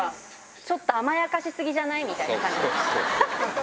ちょっと甘やかしすぎじゃないみたいな。